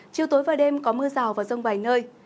chiều tối và đêm có mưa rào và rông vài nơi